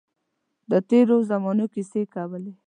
د تېرو زمانو کیسې کولې.